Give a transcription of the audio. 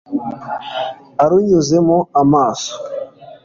arunyuzemo amaso